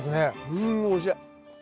うんおいしい！